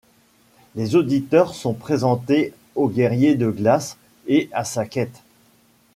Les auditeurs sont présentés au Guerrier de Glace et à sa quête.